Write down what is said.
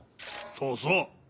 そうそう。